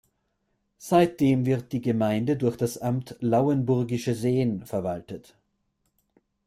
Seitdem wird die Gemeinde durch das Amt Lauenburgische Seen verwaltet.